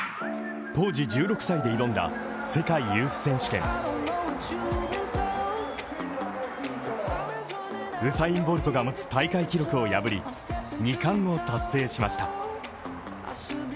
当時１６歳で挑んだ世界ユース選手権ウサイン・ボルトが持つ大会記録を破り、２冠を達成しました。